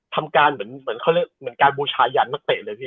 ทำการเหมือนการบูชายันนักเตะเลย